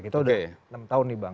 kita udah enam tahun nih bang